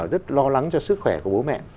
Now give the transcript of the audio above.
rất lo lắng cho sức khỏe của bố mẹ